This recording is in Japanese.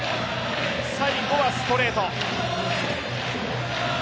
最後はストレート。